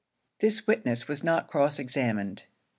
This witness was not cross examined.